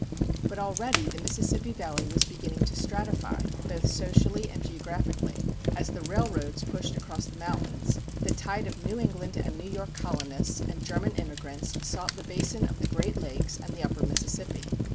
But already the Mississippi Valley was beginning to stratify, both socially and geographically. As the railroads pushed across the mountains, the tide of New England and New York colonists and German immigrants sought the basin of the Great Lakes and the Upper Mississippi.